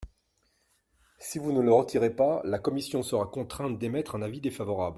Si vous ne le retirez pas, la commission sera contrainte d’émettre un avis défavorable.